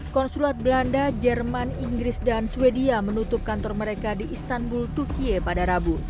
konsulat belanda jerman inggris dan swedia menutup kantor mereka di istanbul turkiye pada rabu